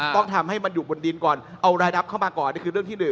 ต้องทำให้มันอยู่บนดินก่อนเอารายดับเข้ามาก่อนนี่คือเรื่องที่๑